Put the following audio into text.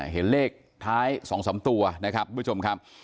เห็นเลขท้าย๒๓ตัวนะครับทุกผู้ชมครับ